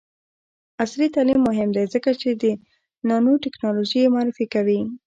عصري تعلیم مهم دی ځکه چې د نانوټیکنالوژي معرفي کوي.